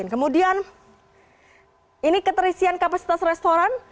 kemudian ini keterisian kapasitas restoran